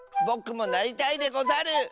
ぼくもなりたいでござる！